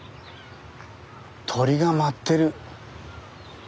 鳥が舞ってる。